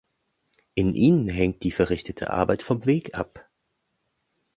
In ihnen hängt die verrichtete Arbeit vom Weg ab.